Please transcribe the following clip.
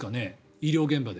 医療現場で。